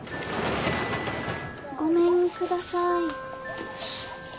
・ごめんください。